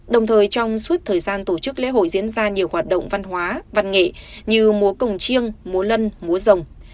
đồng thời trong suốt thời gian tổ chức lễ hội diễn ra nhiều hoạt động văn hóa văn nghệ như múa cổng chiêng múa lân múa rồng